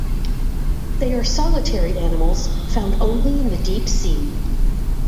They are solitary animals, found only in the deep sea.